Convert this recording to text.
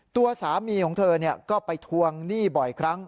ตัวสามีของเธอก็ไปทวงหนี้บ่อยครั้ง